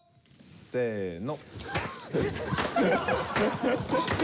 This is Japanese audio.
せの。